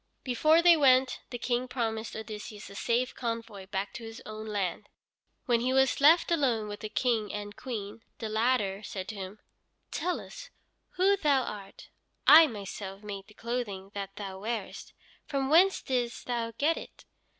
Before they went the King promised Odysseus a safe convoy back to his own land. When he was left alone with the King and Queen, the latter said to him: "Tell us who thou art. I myself made the clothing that thou wearest. From whence didst thou get it?"